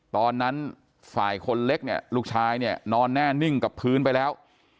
ตอนนั้นฝ่ายคนเล็กเนี่ยลูกชายเนี่ยนอนแน่นิ่งกับพื้นไปแล้ว